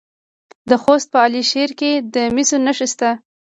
د خوست په علي شیر کې د مسو نښې شته.